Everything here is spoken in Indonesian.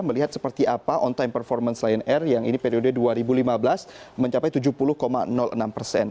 melihat seperti apa on time performance lion air yang ini periode dua ribu lima belas mencapai tujuh puluh enam persen